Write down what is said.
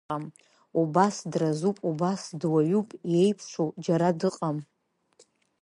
Убас дразуп, убас дуаҩуп, Иеиԥшу џьара дыҟам.